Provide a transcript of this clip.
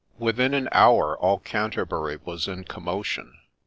Within an hour all Canterbury was in commotion.